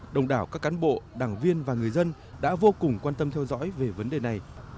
đồng đảo các cán bộ đảng viên và người dân đã vô cùng quan tâm theo dõi về vấn đề này